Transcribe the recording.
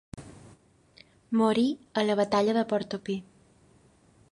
Morí a la Batalla de Portopí.